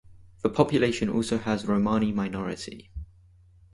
The population also has Romani minority.